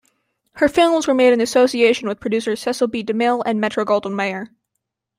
Her films were made in association with producer Cecil B. DeMille and Metro-Goldwyn-Mayer.